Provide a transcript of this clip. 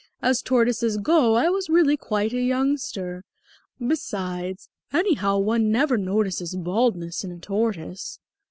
"As tortoises go I was really quite a youngster. Besides, anyhow one never notices baldness in a tortoise."